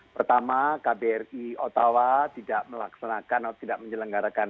pertama kbri ottawa tidak melaksanakan atau tidak menyelenggarakan